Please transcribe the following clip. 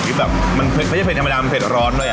รีบแบบไม่ใช่เผ็ดธรรมดามันเผ็ดร้อนด้วยอะ